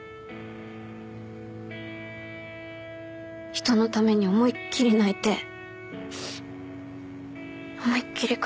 人のために思いっ切り泣いて思いっ切り悔しがって。